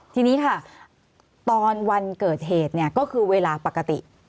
ที่นี้ตอนวันเกิดเหตุก็คือเวลาปกติ